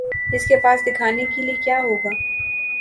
اس کے پاس دکھانے کے لیے کیا ہو گا؟